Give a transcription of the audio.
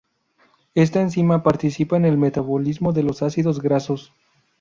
Esta enzima participa en el metabolismo de los ácidos grasos.